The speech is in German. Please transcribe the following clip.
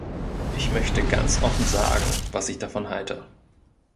Ich möchte ganz offen sagen, was ich davon halte.